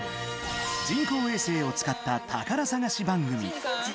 人工衛星を使った宝探し番組。